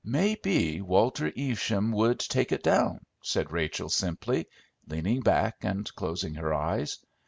"May be Walter Evesham would take it down," said Rachel simply, leaning back and closing her eyes.